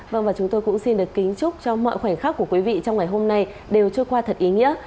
vâng và chúng tôi cũng xin được kính chúc cho mọi khoảnh khắc của quý vị trong ngày hôm nay đều trôi qua thật ý nghĩa